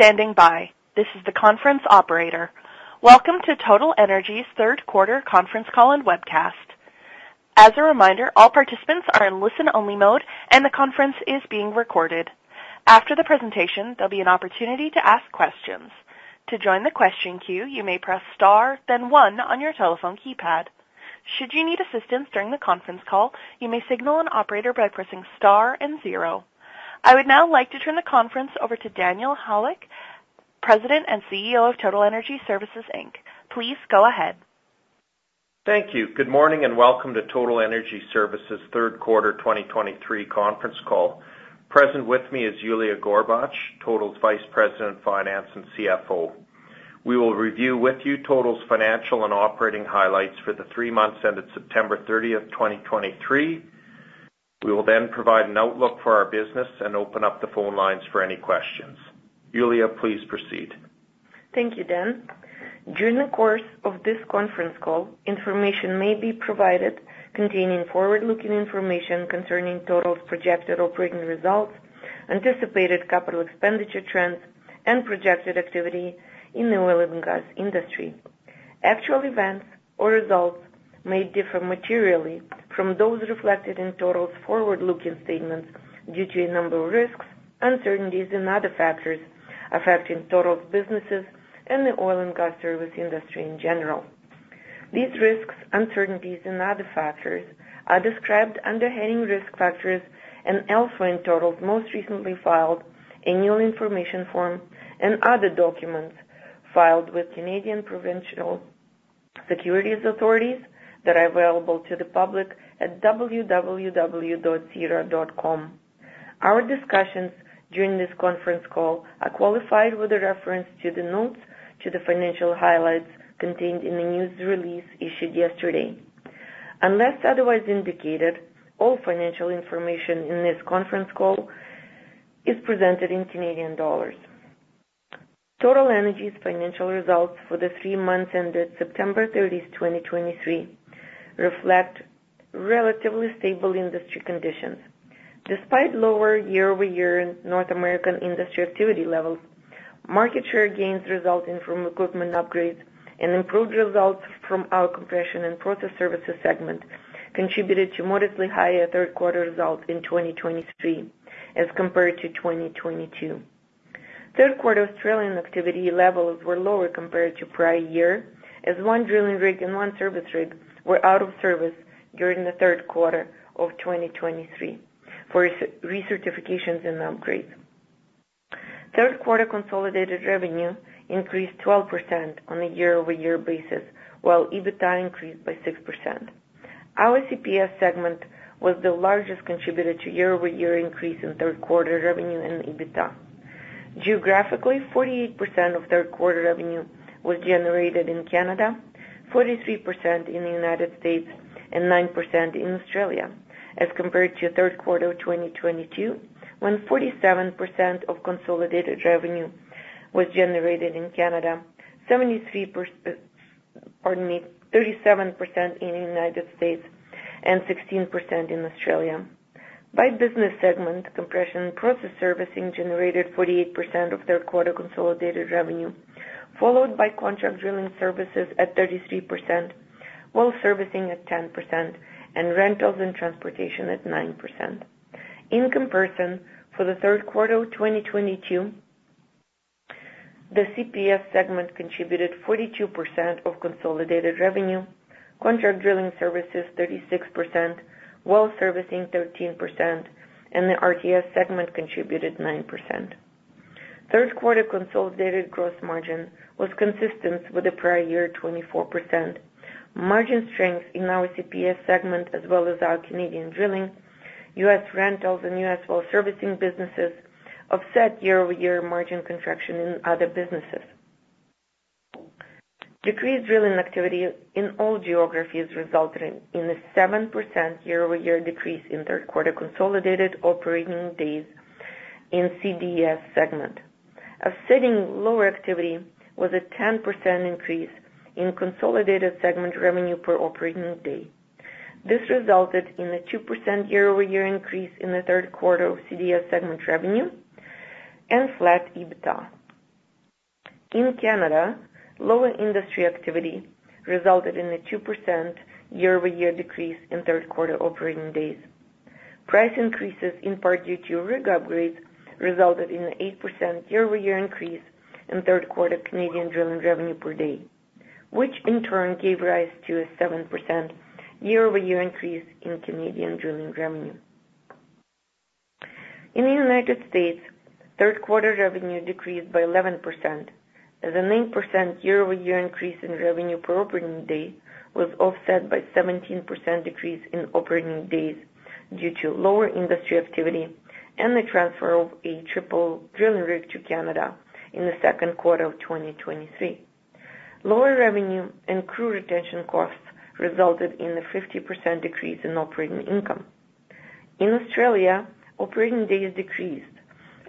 Thank you for standing by. This is the conference operator. Welcome to Total Energy Services Inc.'s third quarter conference call and webcast. As a reminder, all participants are in listen-only mode, and the conference is being recorded. After the presentation, there'll be an opportunity to ask questions. To join the question queue, you may press Star, then one on your telephone keypad. Should you need assistance during the conference call, you may signal an operator by pressing Star and zero. I would now like to turn the conference over to Daniel Halyk, President and CEO of Total Energy Services Inc. Please go ahead. Thank you. Good morning, and welcome to Total Energy Services third quarter 2023 conference call. Present with me is Yuliya Gorbach, Total's Vice President, Finance and CFO. We will review with you Total's financial and operating highlights for the three months ended September 30, 2023. We will then provide an outlook for our business and open up the phone lines for any questions. Yuliya, please proceed. Thank you, Dan. During the course of this conference call, information may be provided containing forward-looking information concerning Total's projected operating results, anticipated capital expenditure trends, and projected activity in the oil and gas industry. Actual events or results may differ materially from those reflected in Total's forward-looking statements due to a number of risks, uncertainties, and other factors affecting Total's businesses and the oil and gas service industry in general. These risks, uncertainties, and other factors are described under heading Risk Factors and elsewhere in Total's most recently filed annual information form and other documents filed with Canadian Provincial Securities Authorities that are available to the public at www.sedarplus.ca. Our discussions during this conference call are qualified with a reference to the notes to the financial highlights contained in the news release issued yesterday. Unless otherwise indicated, all financial information in this conference call is presented in Canadian dollars. Total Energy's financial results for the three months ended September 30, 2023, reflect relatively stable industry conditions. Despite lower year-over-year North American industry activity levels, market share gains resulting from equipment upgrades and improved results from our compression and process services segment contributed to modestly higher third quarter results in 2023 as compared to 2022. Third quarter Australian activity levels were lower compared to prior year, as one drilling rig and one service rig were out of service during the third quarter of 2023 for recertifications and upgrades. Third quarter consolidated revenue increased 12% on a year-over-year basis, while EBITDA increased by 6%. Our CPS segment was the largest contributor to year-over-year increase in third quarter revenue and EBITDA. Geographically, 48% of third quarter revenue was generated in Canada, 43% in the United States, and 9% in Australia, as compared to third quarter of 2022, when 47% of consolidated revenue was generated in Canada, 73%, pardon me, 37% in the United States, and 16% in Australia. By business segment, compression process servicing generated 48% of third quarter consolidated revenue, followed by contract drilling services at 33%, well servicing at 10%, and rentals and transportation at 9%. In comparison, for the third quarter of 2022, the CPS segment contributed 42% of consolidated revenue, contract drilling services 36%, well servicing 13%, and the RTS segment contributed 9%. Third quarter consolidated gross margin was consistent with the prior year, 24%. Margin strength in our CPS segment, as well as our Canadian drilling, U.S. rentals and U.S. well servicing businesses, offset year-over-year margin contraction in other businesses. Decreased drilling activity in all geographies resulted in a 7% year-over-year decrease in third quarter consolidated operating days in CDS segment. Offsetting lower activity was a 10% increase in consolidated segment revenue per operating day. This resulted in a 2% year-over-year increase in the third quarter of CDS segment revenue and flat EBITDA. In Canada, lower industry activity resulted in a 2% year-over-year decrease in third quarter operating days. Price increases, in part due to rig upgrades, resulted in an 8% year-over-year increase in third quarter Canadian drilling revenue per day, which in turn gave rise to a 7% year-over-year increase in Canadian drilling revenue. In the United States, third quarter revenue decreased by 11%, as a 9% year-over-year increase in revenue per operating day was offset by 17% decrease in operating days due to lower industry activity and the transfer of a triple drilling rig to Canada in the second quarter of 2023. Lower revenue and crew retention costs resulted in a 50% decrease in operating income. In Australia, operating days decreased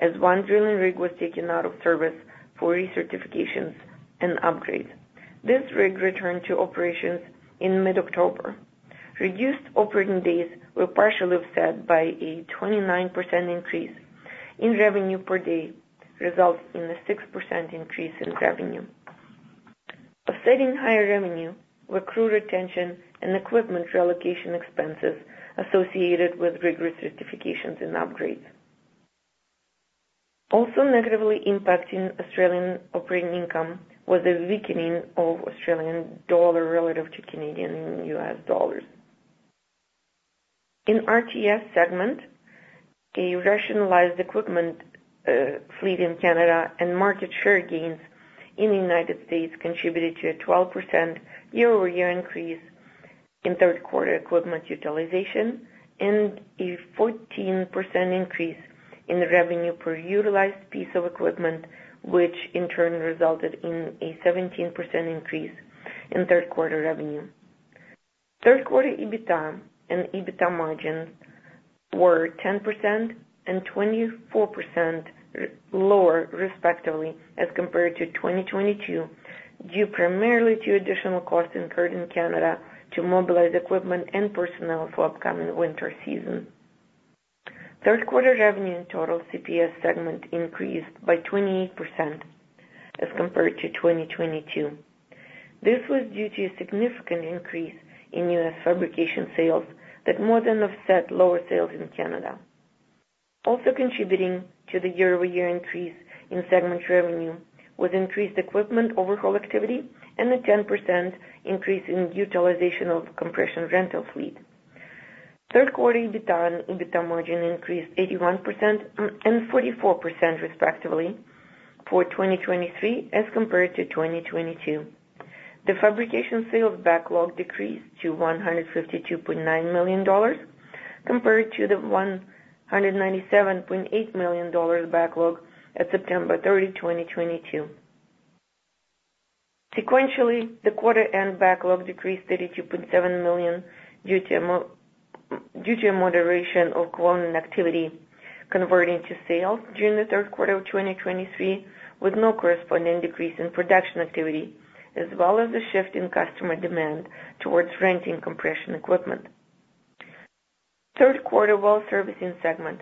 as one drilling rig was taken out of service for recertifications and upgrades. This rig returned to operations in mid-October. Reduced operating days were partially offset by a 29% increase in revenue per day, resulting in a 6% increase in revenue. Offsetting higher revenue were crew retention and equipment reallocation expenses associated with rigorous certifications and upgrades. Also negatively impacting Australian operating income was a weakening of Australian dollar relative to Canadian and U.S. dollars. In RTS segment, a rationalized equipment fleet in Canada and market share gains in the United States contributed to a 12% year-over-year increase in third quarter equipment utilization, and a 14% increase in revenue per utilized piece of equipment, which in turn resulted in a 17% increase in third quarter revenue. Third quarter EBITDA and EBITDA margins were 10% and 24% lower, respectively, as compared to 2022, due primarily to additional costs incurred in Canada to mobilize equipment and personnel for upcoming winter season. Third quarter revenue in total CPS segment increased by 28% as compared to 2022. This was due to a significant increase in U.S. fabrication sales that more than offset lower sales in Canada. Also contributing to the year-over-year increase in segment revenue was increased equipment overhaul activity and a 10% increase in utilization of compression rental fleet. Third quarter EBITDA and EBITDA margin increased 81% and 44%, respectively, for 2023 as compared to 2022. The fabrication sales backlog decreased to 152.9 million dollars, compared to the 197.8 million dollars backlog at September 30, 2022. Sequentially, the quarter end backlog decreased 32.7 million due to a moderation of quoting activity converting to sales during the third quarter of 2023, with no corresponding decrease in production activity, as well as a shift in customer demand towards renting compression equipment. Third quarter well servicing segment.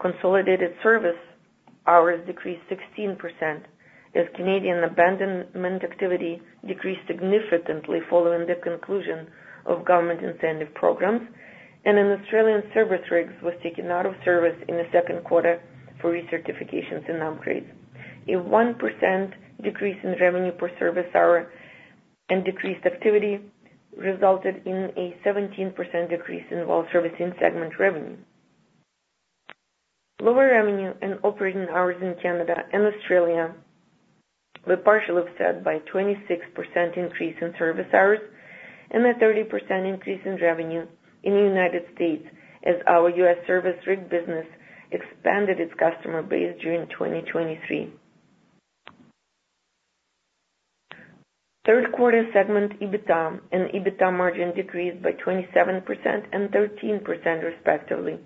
Consolidated service hours decreased 16%, as Canadian abandonment activity decreased significantly following the conclusion of government incentive programs, and an Australian service rig was taken out of service in the second quarter for recertifications and upgrades. A 1% decrease in revenue per service hour and decreased activity resulted in a 17% decrease in well servicing segment revenue. Lower revenue and operating hours in Canada and Australia were partially offset by a 26% increase in service hours and a 30% increase in revenue in the United States, as our U.S. service rig business expanded its customer base during 2023. Third quarter segment EBITDA and EBITDA margin decreased by 27% and 13%, respectively,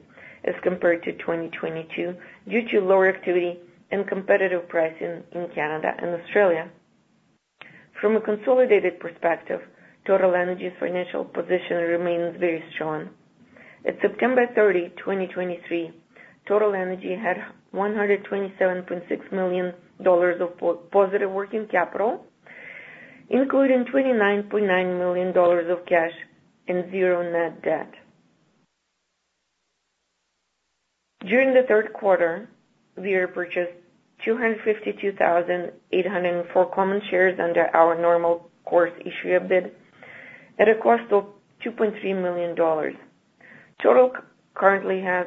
as compared to 2022, due to lower activity and competitive pricing in Canada and Australia. From a consolidated perspective, Total Energy's financial position remains very strong. At September 30, 2023, Total Energy had 127.6 million dollars of positive working capital, including 29.9 million dollars of cash and zero net debt. During the third quarter, we repurchased 252,804 common shares under our normal course issuer bid at a cost of 2.3 million dollars. Total currently has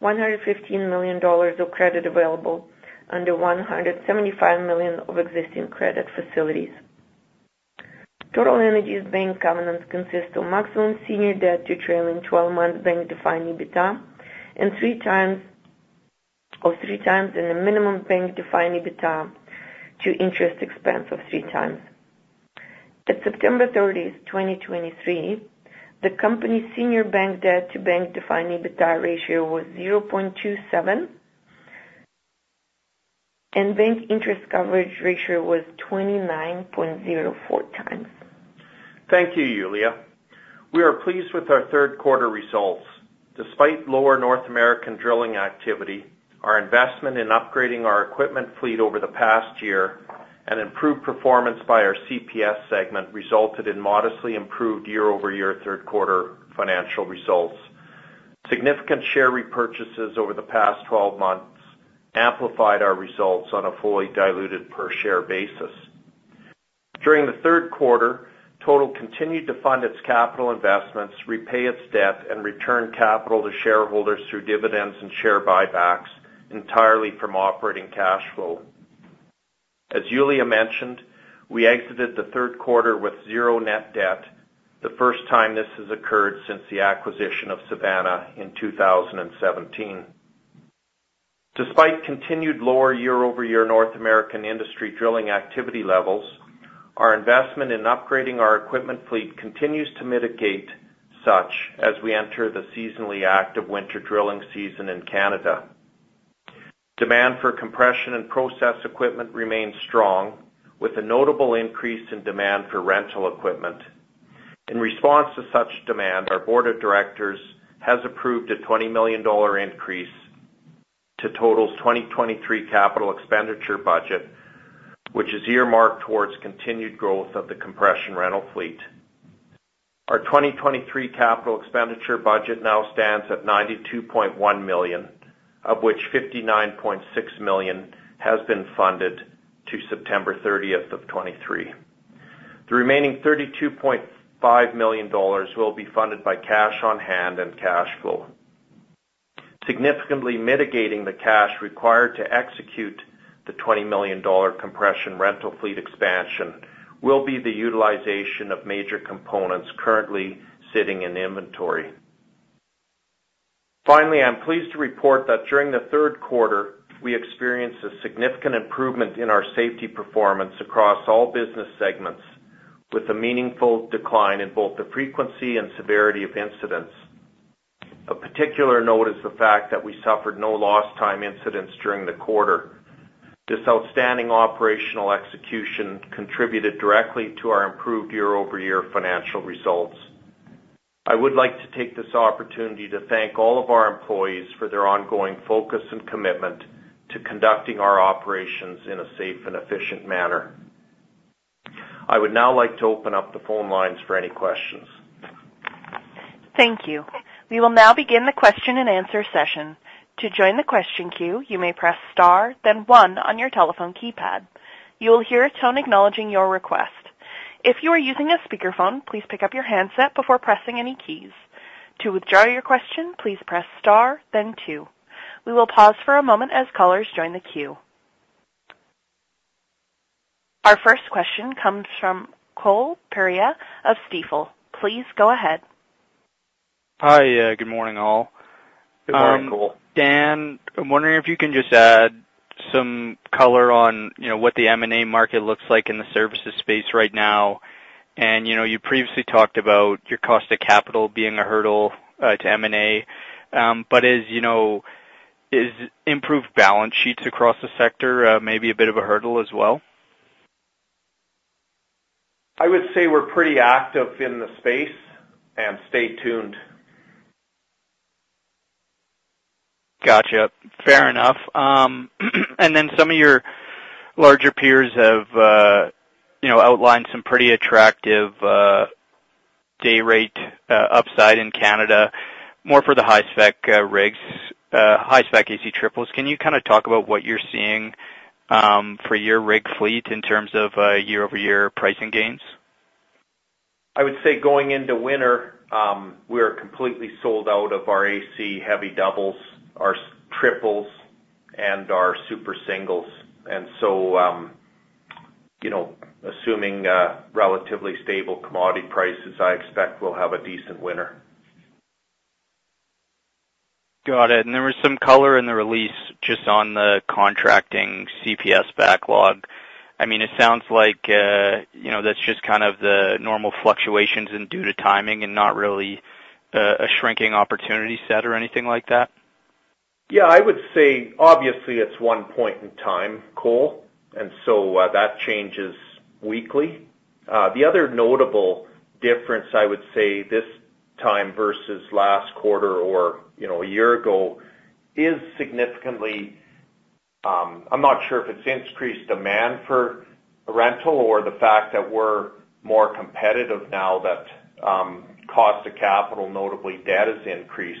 115 million dollars of credit available under 175 million of existing credit facilities. Total Energy's bank covenants consist of maximum senior debt to trailing twelve-month bank-defined EBITDA of 3x and a minimum bank-defined EBITDA to interest expense of 3x. At September 30, 2023, the company's senior bank debt to bank-defined EBITDA ratio was 0.27, and bank interest coverage ratio was 29.04x. Thank you, Yuliya. We are pleased with our third quarter results. Despite lower North American drilling activity, our investment in upgrading our equipment fleet over the past year and improved performance by our CPS segment resulted in modestly improved year-over-year third quarter financial results. Significant share repurchases over the past 12 months amplified our results on a fully diluted per share basis. During the third quarter, Total continued to fund its capital investments, repay its debt, and return capital to shareholders through dividends and share buybacks entirely from operating cash flow. As Yuliya mentioned, we exited the third quarter with zero net debt, the first time this has occurred since the acquisition of Savanna in 2017. Despite continued lower year-over-year North American industry drilling activity levels, our investment in upgrading our equipment fleet continues to mitigate such as we enter the seasonally active winter drilling season in Canada. Demand for compression and process equipment remains strong, with a notable increase in demand for rental equipment. In response to such demand, our board of directors has approved a 20 million dollar increase to total 2023 capital expenditure budget, which is earmarked towards continued growth of the compression rental fleet. Our 2023 capital expenditure budget now stands at 92.1 million, of which 59.6 million has been funded to September 30th of 2023. The remaining 32.5 million dollars will be funded by cash on hand and cash flow. Significantly mitigating the cash required to execute the 20 million dollar compression rental fleet expansion will be the utilization of major components currently sitting in inventory. Finally, I'm pleased to report that during the third quarter, we experienced a significant improvement in our safety performance across all business segments, with a meaningful decline in both the frequency and severity of incidents. Of particular note is the fact that we suffered no lost time incidents during the quarter. This outstanding operational execution contributed directly to our improved year-over-year financial results. I would like to take this opportunity to thank all of our employees for their ongoing focus and commitment to conducting our operations in a safe and efficient manner. I would now like to open up the phone lines for any questions. Thank you. We will now begin the question-and-answer session. To join the question queue, you may press star, then one on your telephone keypad. You will hear a tone acknowledging your request. If you are using a speakerphone, please pick up your handset before pressing any keys. To withdraw your question, please press star then two. We will pause for a moment as callers join the queue. Our first question comes from Cole Pereira of Stifel. Please go ahead. Hi, good morning, all. Good morning, Cole. Dan, I'm wondering if you can just add some color on, you know, what the M&A market looks like in the services space right now. And, you know, you previously talked about your cost of capital being a hurdle to M&A. But as you know, is improved balance sheets across the sector, maybe a bit of a hurdle as well? I would say we're pretty active in the space, and stay tuned. Gotcha. Fair enough. And then some of your larger peers have, you know, outlined some pretty attractive, day rate, upside in Canada, more for the high-spec, rigs, high-spec AC triples. Can you kind of talk about what you're seeing, for your rig fleet in terms of, year-over-year pricing gains? I would say, going into winter, we are completely sold out of our AC Heavy Doubles, our Triples, and our Super Singles. And so, you know, assuming relatively stable commodity prices, I expect we'll have a decent winter. Got it. And there was some color in the release just on the contracting CPS backlog. I mean, it sounds like, you know, that's just kind of the normal fluctuations and due to timing and not really, a shrinking opportunity set or anything like that. Yeah, I would say, obviously, it's one point in time, Cole, and so, that changes weekly. The other notable difference I would say this time versus last quarter or, you know, a year ago, is significantly, I'm not sure if it's increased demand for rental or the fact that we're more competitive now that, cost of capital, notably debt, is increased,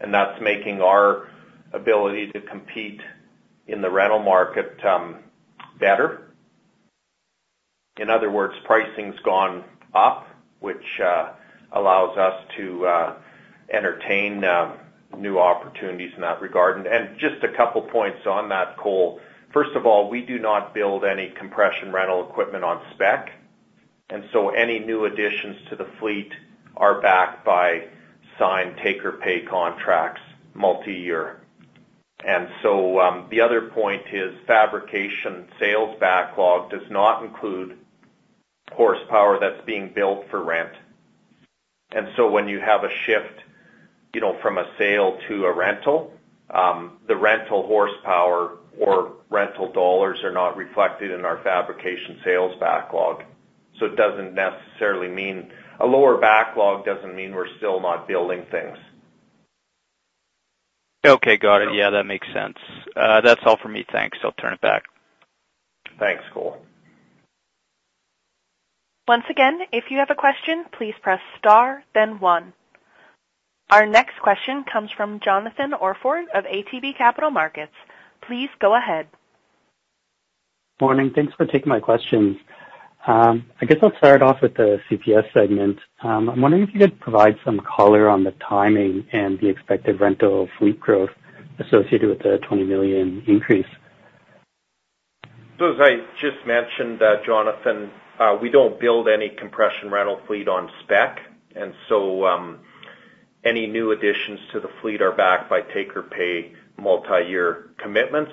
and that's making our ability to compete in the rental market, better. In other words, pricing's gone up, which allows us to entertain new opportunities in that regard. And just a couple points on that, Cole. First of all, we do not build any compression rental equipment on spec, and so any new additions to the fleet are backed by signed take-or-pay contracts, multiyear. The other point is fabrication sales backlog does not include horsepower that's being built for rent. When you have a shift, you know, from a sale to a rental, the rental horsepower or rental dollars are not reflected in our fabrication sales backlog. It doesn't necessarily mean. A lower backlog doesn't mean we're still not building things. Okay, got it. Yeah, that makes sense. That's all for me. Thanks. I'll turn it back. Thanks, Cole. Once again, if you have a question, please press star then one. Our next question comes from Jonathan Orford of ATB Capital Markets. Please go ahead. Morning. Thanks for taking my questions. I guess I'll start off with the CPS segment. I'm wondering if you could provide some color on the timing and the expected rental fleet growth associated with the 20 million increase? So as I just mentioned, Jonathan, we don't build any compression rental fleet on spec, and so, any new additions to the fleet are backed by take-or-pay multiyear commitments.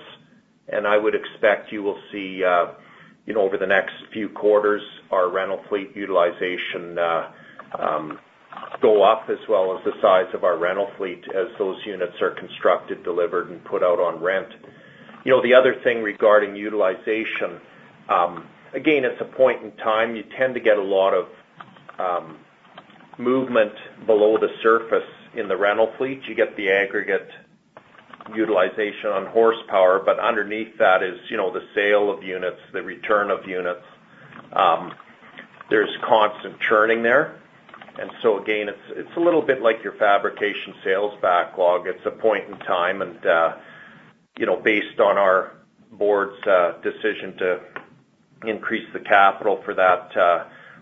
I would expect you will see, you know, over the next few quarters, our rental fleet utilization go up as well as the size of our rental fleet as those units are constructed, delivered, and put out on rent. You know, the other thing regarding utilization, again, it's a point in time. You tend to get a lot of movement below the surface in the rental fleet. You get the aggregate utilization on horsepower, but underneath that is, you know, the sale of units, the return of units. There's constant churning there, and so again, it's, it's a little bit like your fabrication sales backlog. It's a point in time, and, you know, based on our board's decision to increase the capital for that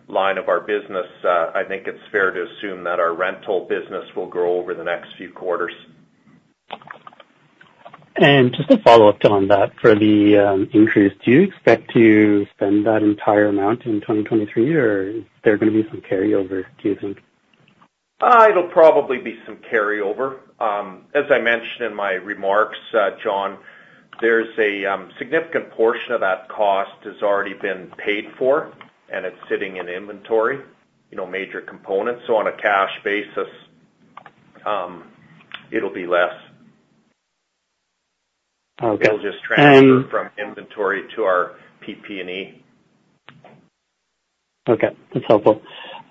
line of our business, I think it's fair to assume that our rental business will grow over the next few quarters. Just a follow-up on that, for the increase, do you expect to spend that entire amount in 2023, or is there gonna be some carryover, do you think? It'll probably be some carryover. As I mentioned in my remarks, John, there's a significant portion of that cost has already been paid for, and it's sitting in inventory, you know, major components. So on a cash basis, it'll be less. Okay, and- It'll just transfer from inventory to our PP&E. Okay, that's helpful.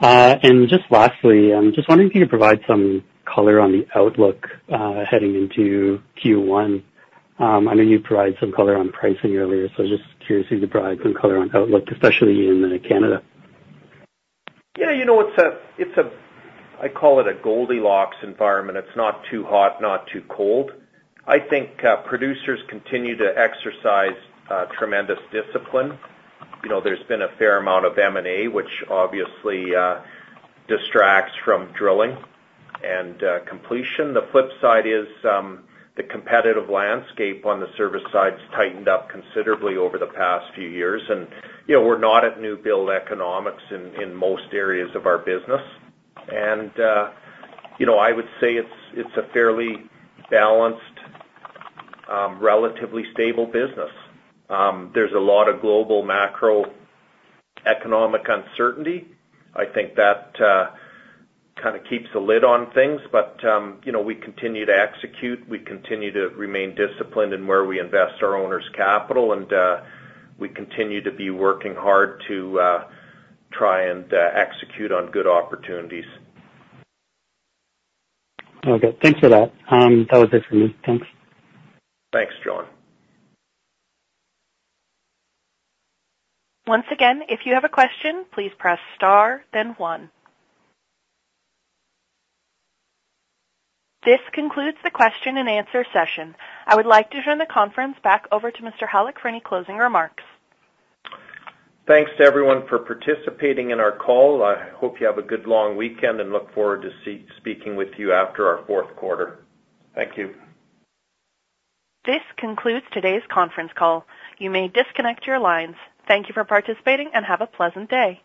And just lastly, I'm just wondering if you could provide some color on the outlook heading into Q1. I know you provided some color on pricing earlier, so just curious if you could provide some color on outlook, especially in Canada. Yeah, you know, I call it a Goldilocks environment. It's not too hot, not too cold. I think producers continue to exercise tremendous discipline. You know, there's been a fair amount of M&A, which obviously distracts from drilling and completion. The flip side is the competitive landscape on the service side has tightened up considerably over the past few years, and you know, we're not at new build economics in most areas of our business. You know, I would say it's a fairly balanced, relatively stable business. There's a lot of global macroeconomic uncertainty. I think that kind of keeps the lid on things, but you know, we continue to execute. We continue to remain disciplined in where we invest our owners' capital, and we continue to be working hard to try and execute on good opportunities. Okay, thanks for that. That was it for me. Thanks. Thanks, Jon. Once again, if you have a question, please press star, then one. This concludes the question and answer session. I would like to turn the conference back over to Mr. Halyk for any closing remarks. Thanks to everyone for participating in our call. I hope you have a good long weekend and look forward to speaking with you after our fourth quarter. Thank you. This concludes today's conference call. You may disconnect your lines. Thank you for participating, and have a pleasant day.